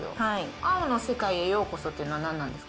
青の世界へようこそというのは何なんですか。